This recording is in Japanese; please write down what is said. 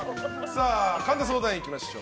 神田相談員、いきましょう。